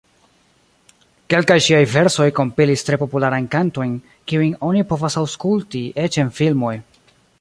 Kelkaj ŝiaj versoj kompilis tre popularajn kantojn, kiujn oni povas aŭskulti eĉ en filmoj.